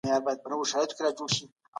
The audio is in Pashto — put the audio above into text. دا معلومات د يوه متخصص لخوا راټول سوي دي.